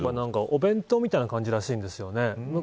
お弁当みたいな感じらしいですよね。